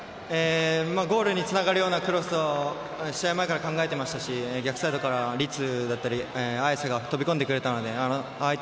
ゴールにつながるようなクロスを試合前から考えてましたし逆サイドから、律だったり、綺世が飛び込んでくれたのであ